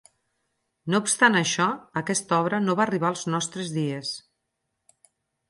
No obstant això, aquesta obra no va arribar als nostres dies.